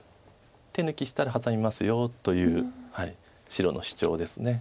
「手抜きしたらハサみますよ」という白の主張です。